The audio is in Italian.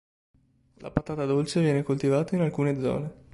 La patata dolce viene coltivata in alcune zone.